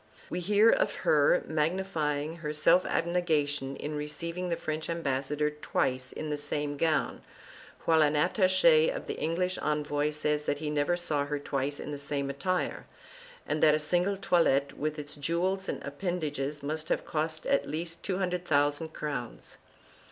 We hear of her magnifying her self abnegation in receiving the French ambassador twice in the same gown, while an attache of the English envoy says that he never saw her twice in the same attire, and that a single toilet, with its jewels and appendages must have cost at least 200,000 crowns.